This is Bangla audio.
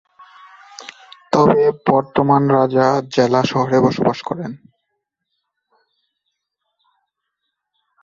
তবে বর্তমান রাজা জেলা শহরে বসবাস করেন।